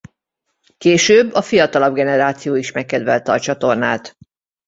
Később a fiatalabb generáció is megkedvelte a csatornát.